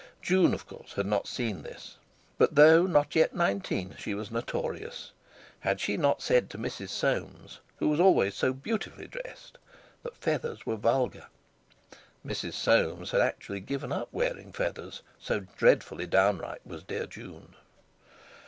June, of course, had not seen this, but, though not yet nineteen, she was notorious. Had she not said to Mrs. Soames—who was always so beautifully dressed—that feathers were vulgar? Mrs. Soames had actually given up wearing feathers, so dreadfully downright was dear June!